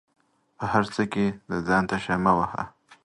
په هر څه کې د ځان تيشه مه وهه